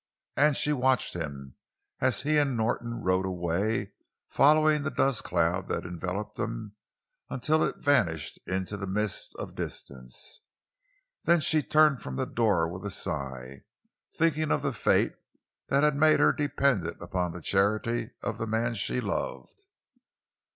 And she watched him as he and Norton rode away, following the dust cloud that enveloped them until it vanished into the mists of distance. Then she turned from the door with a sigh, thinking of the fate that had made her dependent upon the charity of the man she loved.